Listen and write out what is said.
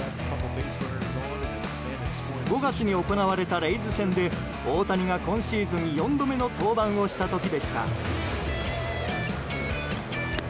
５月に行われたレイズ戦で大谷が今シーズン４度目の登板をした時でした。